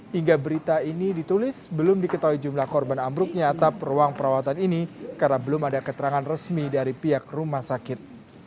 hingga berita ini ditulis belum diketahui jumlah korban ambruknya atap ruang perawatan ini karena belum ada keterangan resmi dari pihak rumah sakit